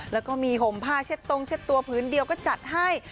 แล้วก็มีห่มผ้าเช็ดตรงเช็ดตัวพื้นเดียวก็จัดให้